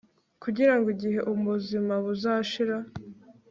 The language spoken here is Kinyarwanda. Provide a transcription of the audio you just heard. kugira ngo igihe ubuzima buzashira